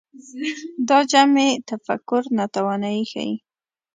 دا جمعي تفکر ناتواني ښيي